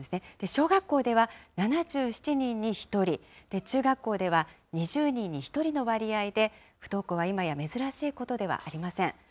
小学校では７７人に１人、中学校では２０人に１人の割合で不登校は今や珍しいことではありません。